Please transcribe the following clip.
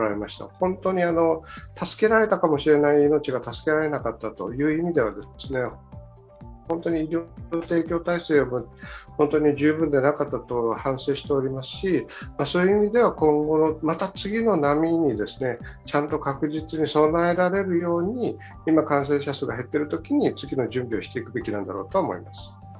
本当に助けられたかもしれない命が助けられなかったという意味では医療提供体制が十分でなかったと反省していますし、今後、また次の波にちゃんと確実に備えられるように今感染者数が減っているときに次の準備をしていくべきなんだろうと思います。